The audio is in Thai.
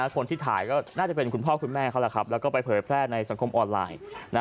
คนที่ถ่ายก็น่าจะเป็นคุณพ่อคุณแม่เขาแล้วก็ไปเผยแพร่ในสังคมออนไลน์